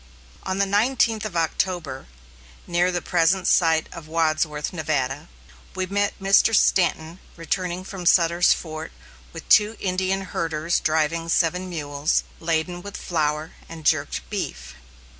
On the nineteenth of October, near the present site of Wadsworth, Nevada, we met Mr. Stanton returning from Sutter's Fort with two Indian herders driving seven mules, laden with flour and jerked beef.